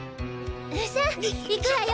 さあ行くわよ！